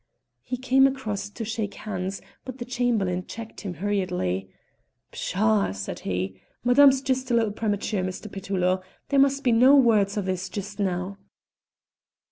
He came across to shake hands, but the Chamberlain checked him hurriedly. "Psha!" said he. "Madame's just a little premature, Mr. Petullo; there must be no word o' this just now."